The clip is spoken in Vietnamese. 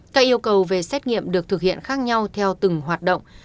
các yêu cầu về xét nghiệm được thực hiện khác nhau theo từng hoạt động